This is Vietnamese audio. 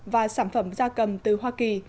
và sản phẩm da cầm từ hoa kỳ